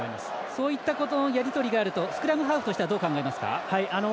そういったやり取りがあるとスクラムハーフとしてはどう考えますか？